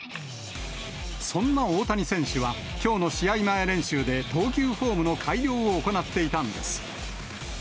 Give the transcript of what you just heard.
そんな大谷選手は、きょうの試合前練習で、投球フォームの改良を行っていたんです。